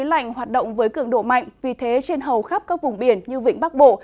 lạnh hoạt động với cường độ mạnh vì thế trên hầu khắp các vùng biển như vĩnh bắc bộ